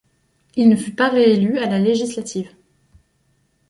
Il ne fut pas réélu à la Législative.